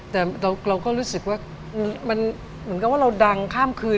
แต่เราก็รู้สึกว่ามันเหมือนกับว่าเราดังข้ามคืน